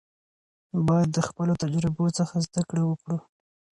باید د خپلو تجربو څخه زده کړه وکړو.